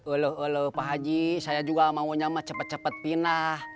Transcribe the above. uluh uluh pak haji saya juga maunya cepet cepet pindah